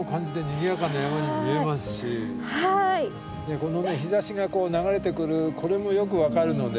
このね日ざしが流れてくるこれもよく分かるので。